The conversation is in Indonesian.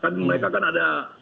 kan mereka kan ada